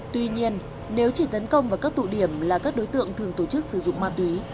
tuy nhiên nếu chỉ tấn công vào các tụ điểm là các đối tượng thường tổ chức sử dụng ma túy